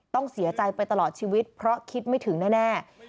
ต้องเสียใจไปตลอดชีวิตเพราะคิดไม่ถึงแน่